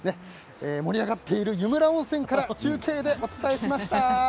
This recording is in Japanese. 盛り上がっている湯村温泉から中継でお伝えしました。